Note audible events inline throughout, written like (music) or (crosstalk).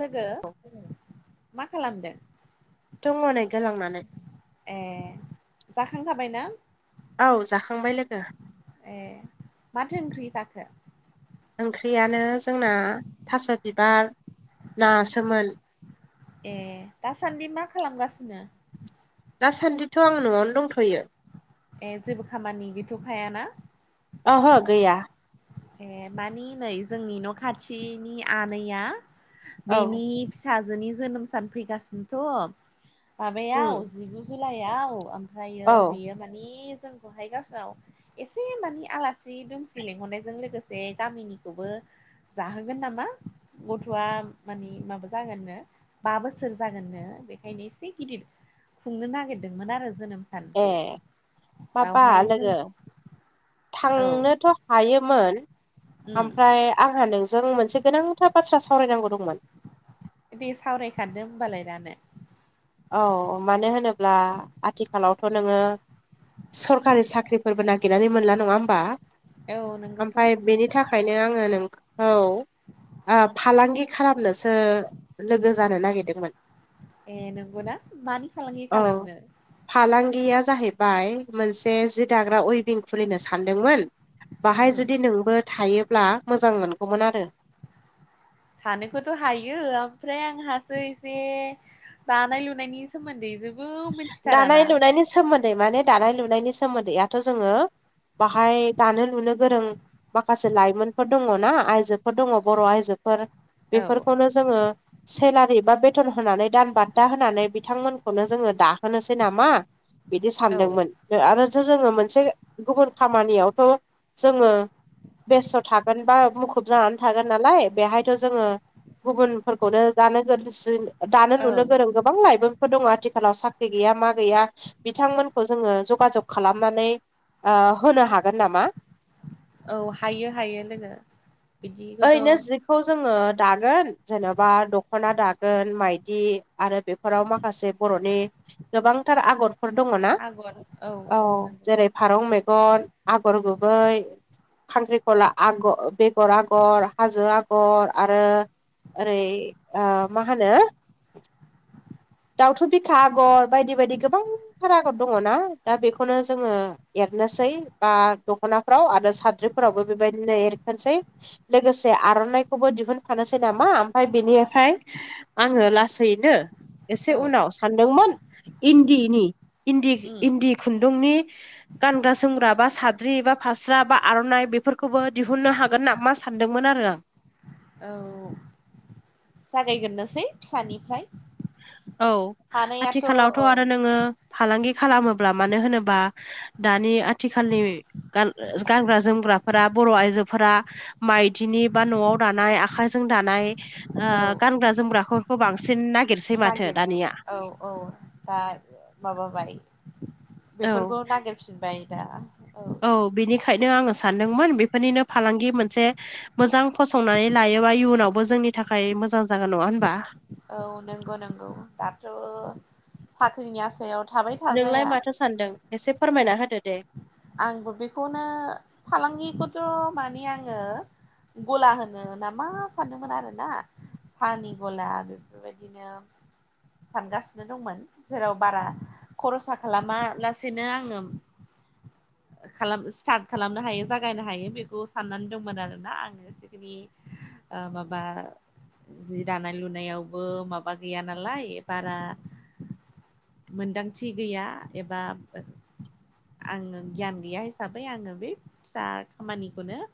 लोगो मा खालामदों? दङ नै गोलांनानै ए जाखांखाबाय ना? औ जाखांबाय लोगो ए माथो ओंख्रि जाखो? ओंख्रियानो जोंना थास' बिबार नासोमोन। ए दासान्दि मा खालामगासिनो? दासान्दिथ' आं न'आवनो दंथ'यो। ए जेबो खामानि गैथ'खायाना? ओहो गैया। ए मानि नै जोंनि न' खाथिनि आनैया औ बेनि फिसाजोनि जोनोम सान फैगासिनोथ' उम माबायाव जिगु जुलाइआव ओमफ्रायो औ बेयो मानि जोंखौहाय गावसोरनाव एसे मानि इलासि दुमसि लेंहरनाय जों लोगोसे गामिनिखौबो जाहोगोन नामा गथ'आ मानि माबा जागोननो। बा बोसोर जागोननो बेखायनो एसे गिदिर खुंनो नागिरदोंमोन आरो जोनोम ए सानखौ माबा बावहाय जों लोगो औ थांनोथ' हायोमोन उम ओमफ्राय आंहा नोंजों मोनसे गोनांथार बाथ्रा सावरायनांगौ दंमोन। दे सावरायखादो होमबालाय दानो। औ मानो होनोब्ला आथिखालावथ' नोङो सरखारि साख्रिफोरबो नागिरनानै मोनला नङा होमबा? औ नोंगौथ' ओमफ्राय बेनि थाखाय ओंखायनो आङो नोंखौ ओ फालांगि खालामनोसो लोगो जानो नागिरदोंमोन। ए नोंगौना मानि फालांगि औ खालामनो? फालांगिया जाहैबाय मोनसे जि दाग्रा उइभिं खुलिनो सानदोंमोन। बाहाय उम जुदि नोंबो थायोब्ला मोजां मोनगौमोन आरो। थानोखौथ' हायो आमफ्राय आंहासो एसे दानाय लुनायनि सोमोन्दै जेबो मिनथिथाराना। (unintelligible) (unintelligible) दानाय लुनायनि सोमोन्दैयाथ' जोङो बाहाय दानो लुनो गोरों माखासे लाइमोनफोर दङ' ना आइजोफोर दङ' बर' आइजोफोर। औ बेफोरखौनो जोङो सेलारि बा बेथन होनानै दान बान्था होनानै बिथांमोनखौनो जोङो दाहोनोसै नामा बिदि औ सानदोंमोन। आरोसो जोङो मोनसे गुबुन खामानियावथ' जोङो बेस्थ' थागोन बा मुखुब जानानै थागोन नालाय बेहायथ' जोङो गुबुनफोरखौनो दानो ग (unintelligible) दानो औ लुनो गोरों गोबां लाइमोनफोर दङ आथिखाल। आथिखालाव साख्रि गैया मा गैया बिथांमोनखौ जोङो जगाजग खालामनानै ओ-होनो हागोन नामा? औ हायो हायो लोगो। बिदिखौथ' ओइनो जिख खौ जोङो दागोन जेनेबा दख'ना दागोन माइदि आरो बे फोराव माखासे बर'नि गोबांथार आगरफोर दङ ना औ जेरै फारौ मेगन आगर गुबै खांख्रिखला आग-बेगर आगर। आगर हाजो आगर आरो। ओरै ओ-मा होनो? (inaudible) दावथु बिखा आगर बायदि बायदि गोबांथार आगर दङ' ना दा बेखौनो जोङो एरनोसै बा दख'नाफोराव आरो साद्रिफोरावबो बेबायदिनो एरखोनसै। लोगोसे आर'नाइखौबो दिहुनफानोसै नामा आमफ्राय बेनिफ्राय आङो लासैनो एसे औ उनाव सानदोंमोन इन्दिनि इन्दि उम इन्दि खुन्दुंनि गानग्रा जोमग्रा बा साद्रि बा फास्रा बा आर'नाइ बेफोरखौबो दिहुननो हागोन। गोन ना मा सानदोंमोन आरो आं। औ जागायगोरनोसै फिसानिफ्राय। औ हानायाथ' औ आथिखालावथ' आरो औ नोङो फालांगि खालामोब्ला मानो होनोबा दानि आथिखालनिान गान-गानग्रा जोमग्राफोरा बर' आइजोफोरा माइदिनि बा न'आव दानाय आखाइजों दानाय ओ-गानग्रा जोमग्राफोरखौ बांसिन नाग नागिरो औ औ। दा माबाबाय औ बेफोरखौ नागिरफिनबाय दा। औ बिनिखायनो आङो सानदोंमोन बेफोरनिनो फालांगि मोनसे मोजां फसंनानै लायोबा इउनावबो जोंनि थाखाय मोजां जागोन नङा होनबा? औ नंगौ नंगौ दाथ' साख्रिनि आसायावथ' नोंलाय माथो सानदों एसे फोरमायना होदो दे। आंबो बेखौनो फालांगिखौथ' माने आङो। गला होनो ना मा सानदोंमोन आरोना। सानि गला बेफोरबायदिनो सानगासिनो दंमोन जेराव बारा खरसा खालामा लासेनो आङो। खालाम स्टार्ट खालामनो हायो जागायनो हायो बेखौ साननानै दंमोन आरोना आङो एसेखिनि ओ- माबा जि दानाय लुनायावबो माबा गैया नालाय बारा मोनदांथि गैया एबा आङो। गियान गैया हिसाबै आङो बे फिसा खामानिखौनो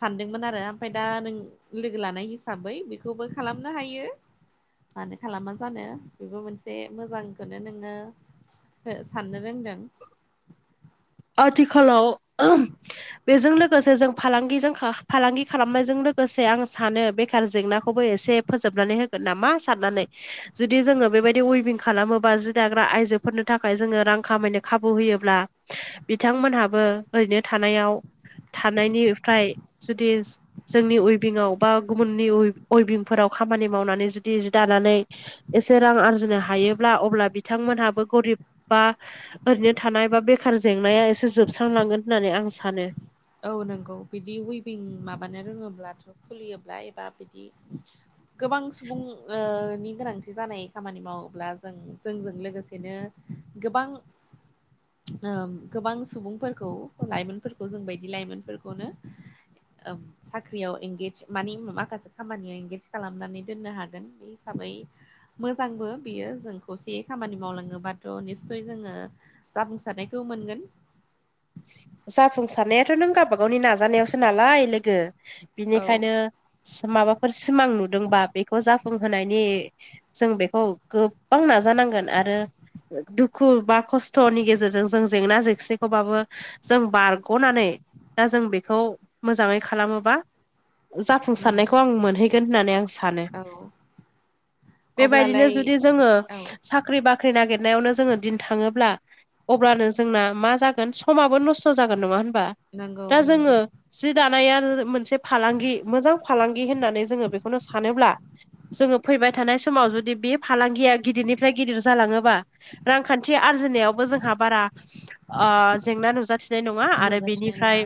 सानदोंमोन आरो ओमफाय दा नों लोगो लानाय हिसाबै बेखौबो खालामनो हायो। मानो खालामा जानो बेबो मोनसे मोजांखौनो नोङो हो-साननो रोंदों। आथिखालाव बेजों लोगोसे जों फालांगिजों खा फालांगि खालामनायजों लोगोसे आं सानो बेखार जेंनाखौबो एसे फोजोबनानै होगोन नामा साननानै। जुदि जोङो बेबायदि उइभिं खालामोबा जि दाग्रा आइजोफोरनि थाखाय जोङो रां खामायनो खाबु होयोब्ला बिथांमोनहाबो ओरैनो थानायाव थानायनिफ्राय जुदि जोंनि उइभिंआव बा गुबुननि उ उइभिंफोराव खामानि मावनानै जुदि जि दानानै। एसे रां आरजिनो हायोब्ला अब्ला बिथांमोनहाबो गरिब बा ओरैनो थानाय बा बेखार जेंनाया एसे जोबस्रांलांगोन होननानै आं सानो। औ नंगौ बिदि उइबिं माबानो रोङोब्लाथ' खुलियोब्ला एबा बिदि गोबां सुबुं ओ-नि गोनांथि जानाय खामानि मावोब्ला जों जोंजों लोगोसेनो गोबां ओ- गोबां सुबुंफोरखौ लाइमोनफोरखौ जों बायदि लाइमोनफोरखौ ओम साख्रियाव एंगेज मानि माखासे खामानियाव एंगेज खालामनानै दोननो हागोन बे हिसाबै मोजांबो बियो जों खौसेयै खामानि मावलाङोबाथ' निसय जोङो जाफुंसारनायखौ मोनगोन जाफुंसारनायाथ' नों गावबागावनि नाजानायावसो नालाय लोगो औ बिनिखायनो माबाफोर सिमां नुदोंबा बेखौ जाफुंहोनायनि जों बेखौ गोब्बां नाजानांगोन आरो दुखु बा खस्थ'नि गेजेरजों जों जेंना जेंसिखौबाबो जों बारग'नानै दा जों बेखौ मोजाङै खालामोबा उम जाफुंसारनायखौ आं मोनहैगोन होननानै आं सानो औ बेबायदिनो अब्लालाय जुदि जोङो। औ साख्रि बाख्रि नागिरनायावनो जोङो दिन थाङोब्ला अब्लानो जोंना मा जागोन? समाबो नस्थ' जागोन नङा होनबा नंगौ दा नंगौ जोङो जि दानाया मोनसे फालांगि मोजां फालांगि होननानै जोङो बेखौनो सानोब्ला जोङो फैबाय थानाय समाव जुदि बे फालांगिया गिदिरनिफ्राय गिदिर जालाङोबा रांखान्थि आरजिनायावबो जोंहा बारा ओ- जेंना नुजाथिनाय नङा आरो नुजाथिनाय नङा बिनिफ्राय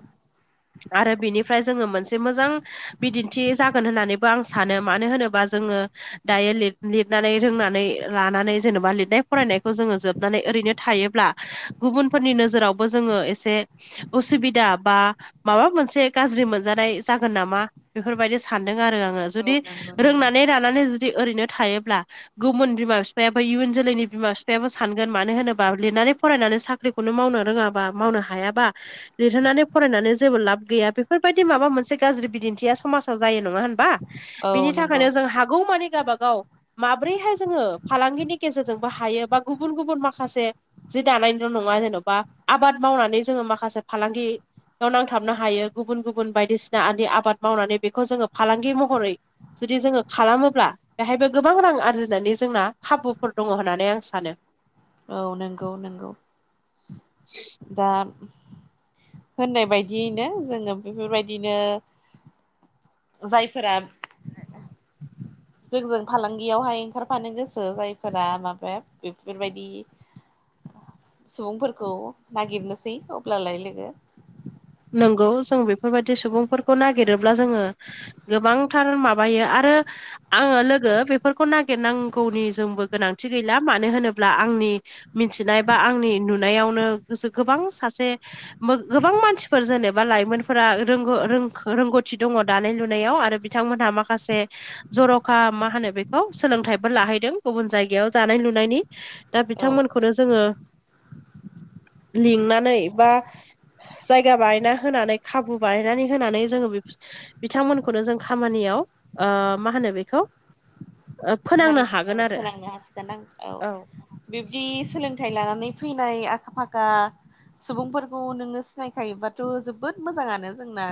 आरो बिनिफ्राय जोङो मोनसे मोजां। बिदिन्थि जागोन होननानैबो आं सानो मानो होनोबा जोङो दायो लिद लिदनानै रोंनानै लानानै जेनेबा बे फरायनायखौ जोङो जोबनानै ओरैनो थायोब्ला गुबुनफोरनि नोजोरावबो जोङो एसे उसुबिदा बा माबा मोनसे गाज्रि मोनजानाय जागोन नामा बेफोरबायदि सानदों आरो आङो औ जुदि नंगौ नंगौ रोंनानै रानानै जुदि ओरैनो थायोब्ला गुबुन बिमा बिफायाबो इयुन जोलैनि बिमा बिफायाबो सानगोन मानो होनोबा लिरनानै फरायनानै साख्रि खौनो मावनो रोङाबा मावनो हायाबा लिरहोनानै फरायनानै जेबो लाब गैया बेफोरबायदि माबा मोनसे गाज्रि बिदिन्थिया समाजाव जायो नङा होनबा औ बिनि नंगौ थाखायनो जों हागौ मानि गावाबागाव माब्रैहाय जोङो फालांगिनि गेजेरजोंबो हायो बा गुबुन गुबुन माखासे जि दानायनिल' नङा जेन'बा आबाद मावनानै जोङो माखासे फालांगि बेयाव नांथाबनो हायो गुबुन गुबुन बायदिसिना आनि आबाद मावनानै बेखौ जोंङो फालांगि महरै जुदि जोङो खालामोब्ला बेहायबो गोबां रां आरजिनानै जोंना खाबुफोर दङ होननानै आं सानो। औ नंगौ नंगौ दा होननाय बायदियैनो जोङो बेफोरबायदिनो जायफोरा जोंजों फालांगियावहाय ओंखारफानो गोसो जायफोरा माबाया बेफोरबायदि सुबुंफोरखौ नागिरनोसै अब्लालाय लोगो नंगौ जों बेफोरबायदि सुबुंफोरखौ नागिरोब्ला जोङो गोबांथार माबायो आरो आङो लोगो बेफोरखौ नागिरनांगौनि जोंबो गोनांथि गैला मानो होनोब्ला आंनि मिथिनाय बा आंनि नुनायावनो गोसो गोबां सासे गोबां मानसि फोर जेनेबा लाइमोनफोरा रों-रोंगौथि दङ दानाय लुनायाव आरो बिथांमोनहा माखासे जर'खा मा होनो बेखौ सोलोंथाइबो लाहैदों गुबुन जायगायाव दानाय लुनायनि दा औ बिथांमोनखौनो जोङो लिंनानै बा जायगा बायना होनानै खाबु बानायनै होनानै जोंङो बे बिथांमोनखौनो जों खामानियाव ओ मा होनो बेखौ नां फोनांनो हागोन औ आरो फोनांनो हासिगो आं औ बिबदि सोलों थाइ लानानै फैनाय आखा फाखा सुबुंफोरखौ नोङो सिनायखायोबाथ' जोबोद मोजाङानो जोंना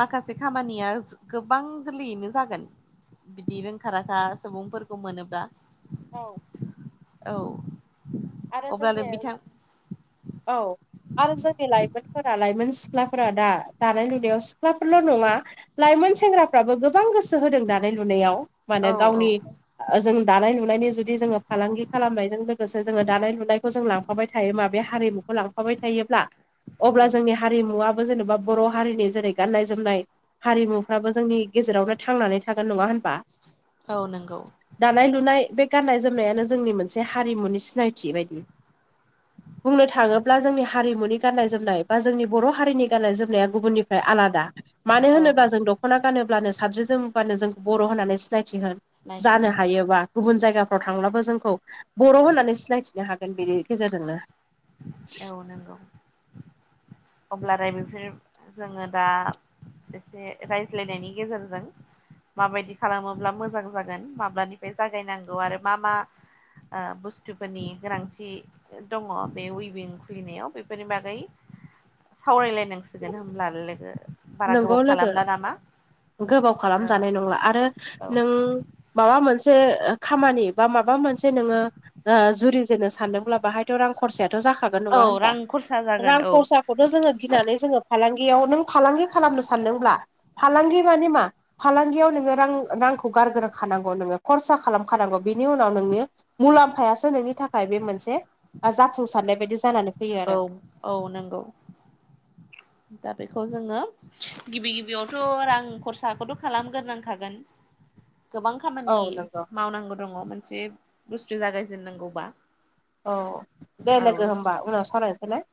माखासे खामानिया गोबां गोरलैयैनो जागोन बिदि रोंखाराखा सुबुंफोरखौ मोनोब्ला औ। औ। आरो अब्लानो जोंनि, बिथां औ। आरो जोंनि लाइमोनफोरा लाइमोन सिख्लाफोरा दा दानाय लुनायाव सिख्लाफोरल' नङा लाइमोन सेंग्राफ्राबो गोबां गोसो होदों दानाय लुनायाव। माने औ औ गावनि जों दानाय लुनायनि जुदि जोङो फालांगि खालामनायजों लोगोसे जोङो दानाय लुनायखौ जों लांफाबाय थायोब्ला बे हारिमुखौ लांफाबाय थायोब्ला, अब्ला जोंनि हारिमुवाबो जेनेबा बर' हारिनि जेरै गाननाय जोमनाय हारिमुफ्राबो जोंनि गेजेरावनो थांनानै थागोन नङा होनबा? औ नंगौ। दानाय लुनाय बे गान्नाय जोमनायानो जोंनि मोनसे हारिमुनि सिनायथि बायदि। (inaudible) बुंनो थाङोब्ला जोंनि हारिमुनि गाननाय जोमनाय बा जोंनि बर' हारिनि गाननाय जोमनाया गुबुननिफ्राय आलादा। मानो औ होनोब्ला जों दख'ना गानोब्लानो, साद्रि जोमोब्लानो जोंखौ बर' होननानै सिनायथि होन सिनायथि जानो मोनो हायोबा गुबुन जायगाफ्राव थांब्लाबो जोंखौ बर' होननानै सिनायथिनो हागोन बेनि गेजेरजोंनो। औ नंगौ अब्लाराय बेफोरो जोङो दा एसे रायज्लायनायनि गेजेरजों माबायदि खालामोब्ला मोजां जागोन माब्लानिफ्राय जागायनांगौ आरो मा मा आ बुस्थुफोरनि गोनांथि दङ बे उ बिं खुलिनायाव बेफोरनि बागै सावरायलायनांसिगोन होमब्ला लोगो बारा नोंगौ गोबाव लोगो खालामला नामा गोबाव औ खालामजानाय नंला आरो औ नों माबा मोनसे खामानि बा माबा मोनसे नोङो ओ जुरि जेननो सानदोंब्ला बाहायथ' रां खरसायाथ' जाखागोन नङा औ होनबा रां खरसा जागोन रां औ खरसा खौथ' जोङो गिनानै जोङो फालांगियाव नों फालांगि खालामनो सानदोंब्ला फालांगि मानि मा फालांगियाव नोङो रां रांखौ गारग्रोखानांगौ नोङो खरसा खालामखानांगौ बिनि उनाव नोङो मुलाम्फायासो नोंनि थाखाय बे मोनसे जाफुंसारनाय बायदि जानानैै औ औ नोंगौ दा बेखौ जोङो गिबि गिबियावथ' रां खरसाखौथ' खालामगोरनांखागोन गोबां खामानि औ नंगौ मावनांगौ दङ मोनसे बुस्थु जागायजेननांगौबा औ दे लोगो औ होमबा उनाव सालायनोसै ना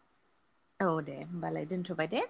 औ दे होमबालाय दोनथ'बाय दे